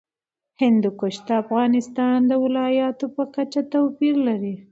هندوکش د افغانستان د ولایاتو په کچه توپیر لري.